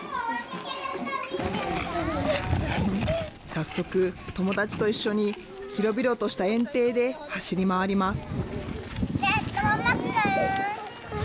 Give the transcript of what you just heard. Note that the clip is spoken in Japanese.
早速、友達と一緒に広々とした園庭で走り回ります。